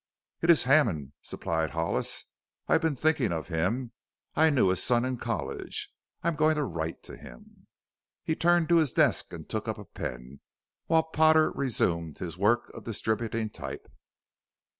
"It is Hammond," supplied Hollis. "I've been thinking of him. I knew his son in college. I am going to write to him." He turned to his desk and took up a pen, while Potter resumed his work of distributing type.